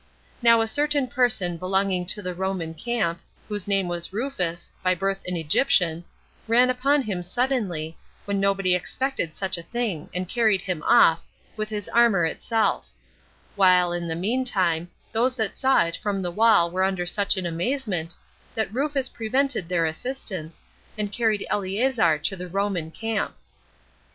Now a certain person belonging to the Roman camp, whose name was Rufus, by birth an Egyptian, ran upon him suddenly, when nobody expected such a thing, and carried him off, with his armor itself; while, in the mean time, those that saw it from the wall were under such an amazement, that Rufus prevented their assistance, and carried Eleazar to the Roman camp.